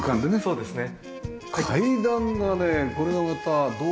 そうですね。